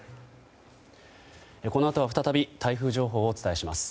このあとは、再び台風情報をお伝えします。